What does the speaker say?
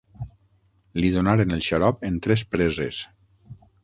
Li donaren el xarop en tres preses.